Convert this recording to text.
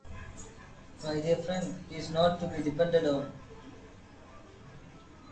My dear friend, he is not to be depended on.